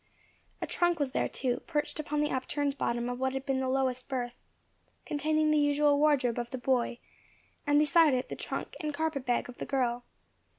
A trunk was there too, perched upon the upturned bottom of what had been the lowest berth, containing the usual wardrobe of the boy; and beside it, the trunk and carpet bag of the girl.